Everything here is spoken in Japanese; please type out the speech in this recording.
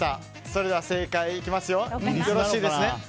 それでは正解にいきますよ。